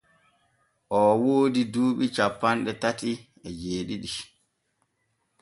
Oo woodi duuɓi cappanɗe tati e jeeɗiɗi.